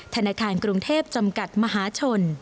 ธนาคารกรุงเทพจำกัดมหาชน